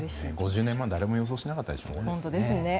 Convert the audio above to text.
５０年前は、誰も予想していなかったですからね。